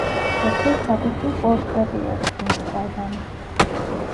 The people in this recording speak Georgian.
ზოგჯერ საკუთრივ პორტრეტი ერწყმის სხვა ჟანრს.